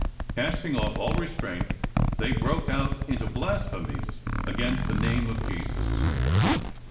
Casting off all restraint, they broke out into blasphemies against the name of Jesus.